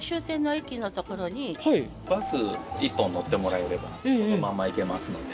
バス１本乗ってもらえればそのまんま行けますので。